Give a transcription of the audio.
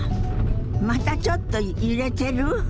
またちょっと揺れてる？